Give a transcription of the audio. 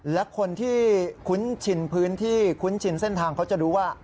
และคนที่คุ้นชินพื้นที่คุ้นชินเส้นทางเขาจะรู้ว่า